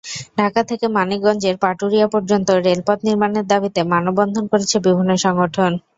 ঢাকা থেকে মানিকগঞ্জের পাটুরিয়া পর্যন্ত রেলপথ নির্মাণের দাবিতে মানববন্ধন করেছে বিভিন্ন সংগঠন।